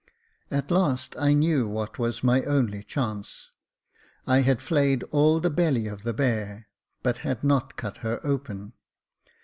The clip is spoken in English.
At last, I knew what was my only chance. I had flayed all the belly 134 Jacob Faithful of the bear, but had not cut her open.